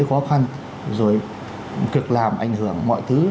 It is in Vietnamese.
khó khăn rồi cực làm ảnh hưởng mọi thứ